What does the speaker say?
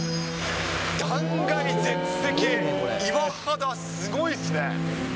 断崖絶壁、岩肌すごいっすね。